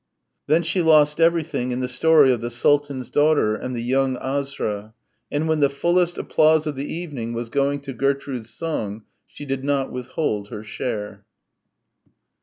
Then she lost everything in the story of the Sultan's daughter and the young Asra, and when the fullest applause of the evening was going to Gertrude's song, she did not withhold her share.